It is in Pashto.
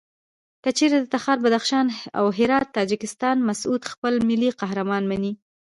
کچېرته د تخار، بدخشان او هرات تاجکان مسعود خپل ملي قهرمان مني.